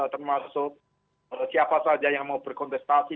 termasuk siapa saja yang mau berkontestasi